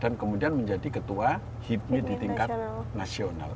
dan kemudian menjadi ketua hipmid di tingkat nasional